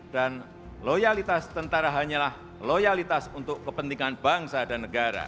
dan loyalitas tentara hanyalah loyalitas untuk kepentingan bangsa dan negara